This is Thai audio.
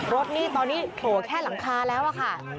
รถนี่ตอนนี้โผล่แค่หลังคาแล้วอะค่ะ